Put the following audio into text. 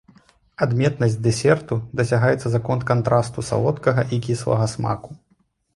Адметнасць дэсерту дасягаецца за конт кантрасту салодкага і кіслага смаку.